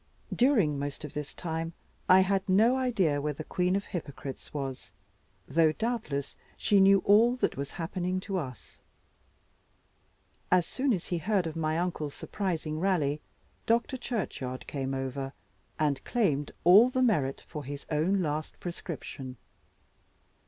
During most of this time, I had no idea where the queen of hypocrites was; though doubtless she knew all that was happening to us. As soon as he heard of my uncle's surprising rally, Dr. Churchyard came over, and claimed all the merit for his own last prescription.